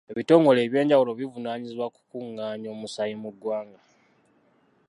Ebitongole ebyenjawulo bivunaanyizibwa ku kukungaanya omusaayi mu ggwanga.